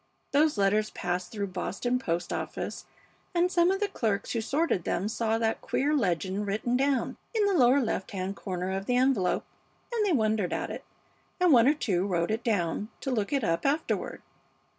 Those letters passed through the Boston post office, and some of the clerks who sorted them saw that queer legend written down in the lower left hand corner of the envelope, and they wondered at it, and one or two wrote it down, to look it up afterward.